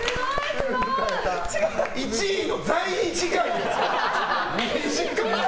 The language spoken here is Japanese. １位の在位時間。